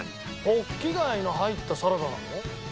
ホッキ貝の入ったサラダなの？